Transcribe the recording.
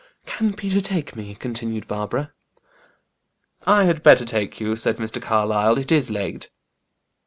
"Can Peter take me?" continued Barbara. "I had better take you," said Mr. Carlyle. "It is late."